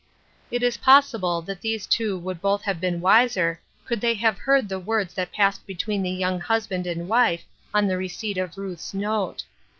It is possible that these two would both have been wiser could they have heard the words that passed between the young husband and wife on the receipt of Ruth's note.